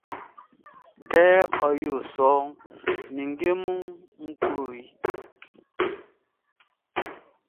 Kɛ e yo ninnge munʼn, n klo i.